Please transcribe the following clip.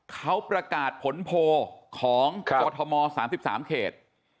เขาประกาศผลโพลของกรทม๓๓เขต